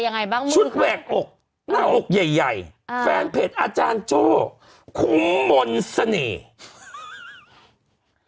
ยังไงบ้างชุดแหวกอกหน้าอกใหญ่ใหญ่อ่าแฟนเพจอาจารย์โจ้คุ้มมนต์เสน่ห์